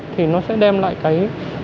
thì nó sẽ đem lại cái